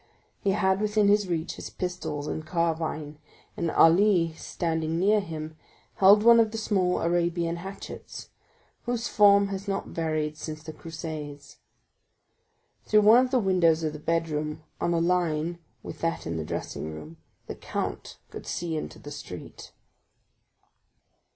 He had within his reach his pistols and carbine, and Ali, standing near him, held one of the small Arabian hatchets, whose form has not varied since the Crusades. Through one of the windows of the bedroom, on a line with that in the dressing room, the count could see into the street.